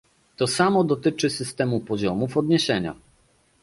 To samo dotyczy systemu poziomów odniesienia